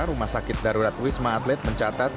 rumah sakit darurat wisma atlet mencatat